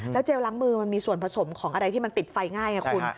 เจลล้างมือมันมีส่วนผสมของอะไรที่มันติดไฟง่ายไงคุณ